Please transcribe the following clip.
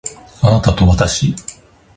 あなたとわたし